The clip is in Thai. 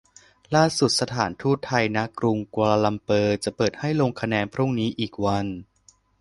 ล่าสุดสถานทูตไทยณ.กรุงกัวลาลัมเปอร์จะเปิดให้ลงคะแนนพรุ่งนี้อีกวัน